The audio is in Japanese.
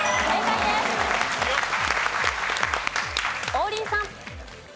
王林さん。